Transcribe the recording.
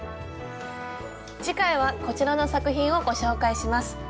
次回はこちらの作品をご紹介します。